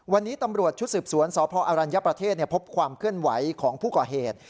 วันนี้ตำรวจชุดสืบสวนสพอรัญญประเทศพบความเคลื่อนไหวของผู้ก่อเหตุ